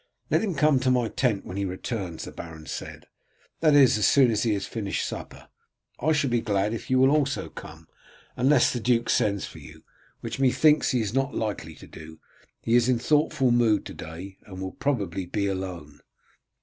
"Let him come to my tent when he returns," the baron said; "that is as soon as he has finished supper. I shall be glad if you will also come, unless the duke sends for you, which methinks he is not likely to do. He is in thoughtful mood to day, and will probably be alone."